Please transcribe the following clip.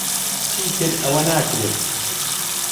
چیتر ئەوە ناکرێت.